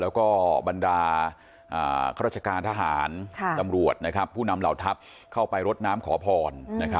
แล้วก็บรรดาข้าราชการทหารตำรวจผู้นำเหล่าทัพเข้าไปรดน้ำขอพร